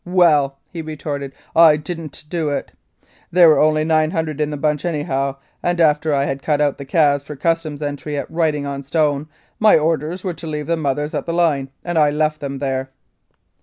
"Well," he retorted, "I didn't do it. There were only 900 in the bunch anyhow; and after I had cut out the calves for Customs entry at Writing on Stone, my orders were to leave the mothers at the line, and I left them there."